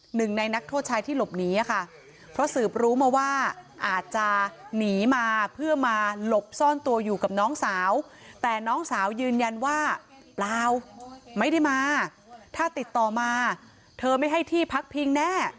หนึ่งในนักโทษชายที่หลบหนีค่ะเพราะสืบรู้มาว่าอาจจะหนีมาเพื่อมาหลบซ่อนตัวอยู่กับน้องสาวแต่น้องสาวยืนยันว่าเปล่าไม่ได้มาถ้าติดต่อมาเธอไม่ให้ที่พักพิงแน่